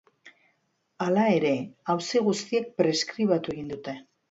Hala ere, auzi guztiek preskribatu egin dute.